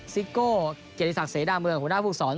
ซิโก้เกียรติศักดิ์เสดามเมืองของหัวหน้าภูกษร